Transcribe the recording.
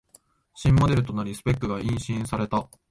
新モデルとなりスペックが刷新された